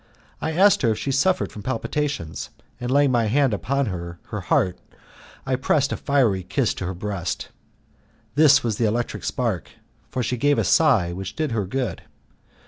I asked her if she suffered from palpitations, and laying my hand upon her heart I pressed a fiery kiss upon her breast. This was the electric spark, for she gave a sigh which did her good.